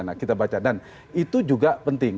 nah kita baca dan itu juga penting